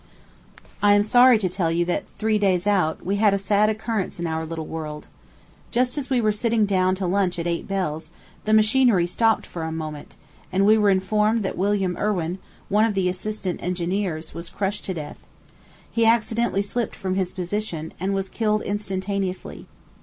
I am sorry to tell you that, three days out, we had a sad occurrence in our little world. Just as we were sitting down to lunch at eight bells, the machinery stopped for a moment, and we were informed that William Irwin, one of the assistant engineers, was crushed to death. He accidentally slipped from his position, and was killed instantaneously.